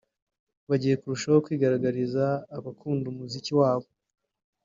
bagiye kurushaho kwigaragariza abakunda umuziki wabo